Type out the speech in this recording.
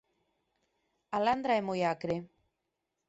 A landra é moi acre.